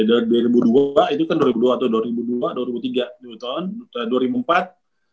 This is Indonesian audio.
dari dua ribu dua itu kan dua ribu dua atau dua ribu dua dua ribu tiga gitu kan